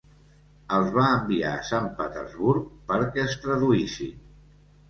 Els va enviar a Sant Petersburg perquè es traduïssin.